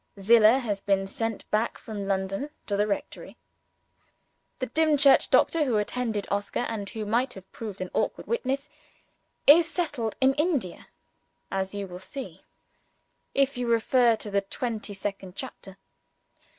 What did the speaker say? Zillah has been sent back from London to the rectory. The Dimchurch doctor (who attended Oscar, and who might have proved an awkward witness) is settled in India as you will see, if you refer to the twenty second chapter.